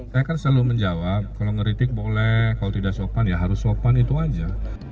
saya kan selalu menjawab kalau ngeritik boleh kalau tidak sopan ya harus sopan itu aja